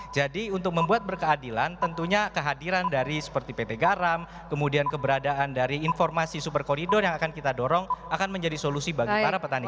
jadi untuk membuat berkeadilan tentunya kehadiran dari seperti pt garam kemudian keberadaan dari informasi super koridor yang akan kita dorong akan menjadi solusi bagi para petani garam